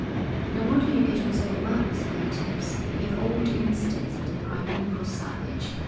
'No wonder you get on so well with the natives. You have all the instincts of the primeval savage.